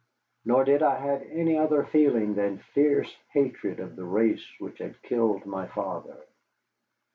Nor did I have any other feeling than fierce hatred of the race which had killed my father.